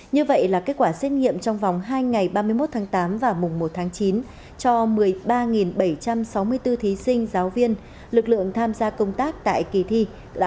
như vậy là kết quả xét nghiệm trong vòng hai ngày ba mươi một tháng tám và mùng một tháng chín cho một mươi ba bảy trăm sáu mươi bốn thí sinh giáo viên lực lượng tham gia công tác tại kỳ thi là